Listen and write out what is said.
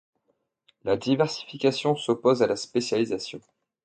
La diversification s’oppose à la spécialisation.